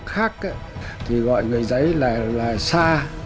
sắp mầu dân tộc khác thì gọi người giấy là sa